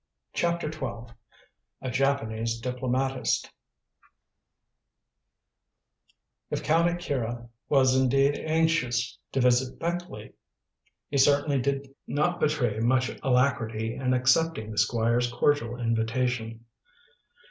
CHAPTER XII A JAPANESE DIPLOMATIST If Count Akira was indeed anxious to visit Beckleigh, he certainly did not betray much alacrity in accepting the Squire's cordial invitation.